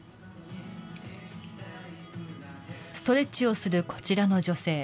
ストレッチをするこちらの女性。